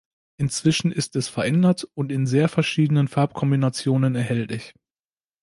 Inzwischen ist es verändert und in sehr verschiedenen Farbkombinationen erhältlich.